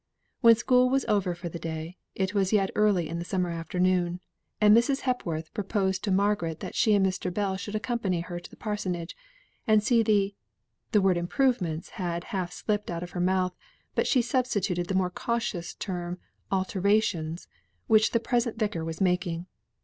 When school was over for the day, it was yet early in the summer afternoon; and Mrs. Hepworth proposed to Margaret that she and Mr. Bell should accompany her to the parsonage, and see the word "improvements" had half slipped out of her mouth, but she substituted the more cautious term "alterations" which the present Vicar was making.